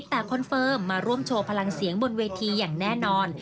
แต่คอนเฟิร์มมาร่วมโชว์พลังเสียงบนเวทีอย่างแน่นอน